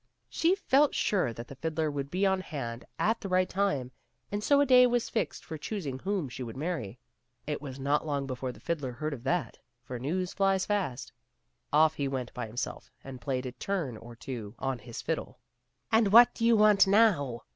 She felt sure that the fiddler would be on hand at the right time, and so a day was fixed for choosing whom she would marry. It was not long before the fiddler heard of that, for news flies fast. Off he went by himself and played a turn or two on his fiddle. " And what do you want now